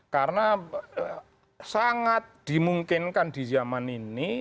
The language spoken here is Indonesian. karena sangat dimungkinkan di zaman ini